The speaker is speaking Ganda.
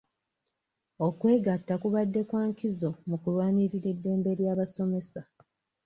Okwegatta kubadde kwa nkizo mu kulwanirira eddembe ly'abasomesa.